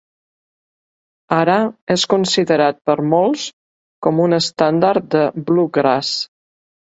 Ara és considerat per molts com un estàndard de bluegrass.